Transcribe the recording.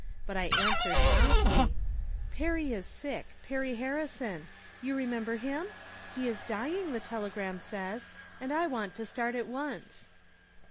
But I answered, promptly :" Perry is sick — Perry Harrison. You remem ber him ? He is dying, the telegram says ; and I want to start at once."